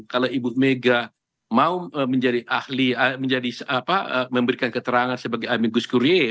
kalau ibu mega mau menjadi ahli menjadi memberikan keterangan sebagai amigus kurnie